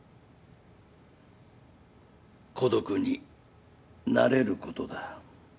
孤独に慣れることだ。